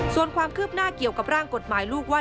ส่วนความคืบหน้าเกี่ยวกับร่างกฎหมายลูกว่า